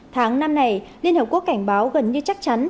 tháng năm này liên hợp quốc cảnh báo gần như chắc chắn